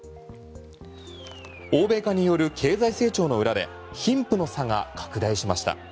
欧米化による経済成長の裏で貧富の差が拡大しました。